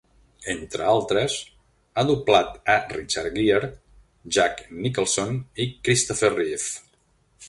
Entre altres, ha doblat a Richard Gere, Jack Nicholson i Christopher Reeve.